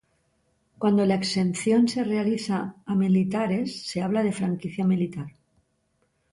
Cuando la exención se realiza a militares se habla de franquicia militar.